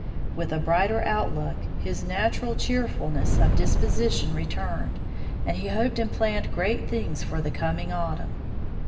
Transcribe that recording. With a brighter outlook his natural cheerfulness of disposition returned, and he hoped and planned great things for the coming autumn.